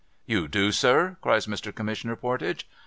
' You do, sir ?' cries Mr. Commissioner Pordage.